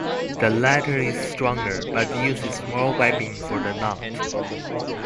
The latter is stronger, but uses more webbing for the knot.